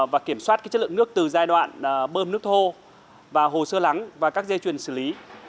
và kiểm soát chất lượng nước từ giai đoạn bơm nước thô và hồ sơ lắng và các dây chuyền xử lý